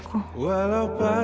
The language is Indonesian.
papa dan mama